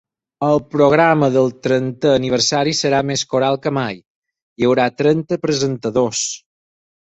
El programa del trentè aniversari serà més coral que mai: hi haurà trenta presentadors.